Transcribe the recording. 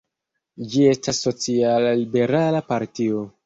Ĝi estas social-liberala partio.